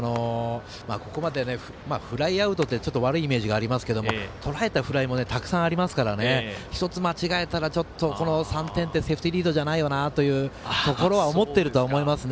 ここまでフライアウトってちょっと悪いイメージがありますが、とらえたフライもたくさんありますから１つ間違えたら、この３点ってセーフティーリードじゃないと思ってると思いますね。